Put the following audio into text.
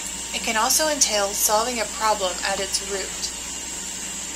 It can also entail solving a problem at its root.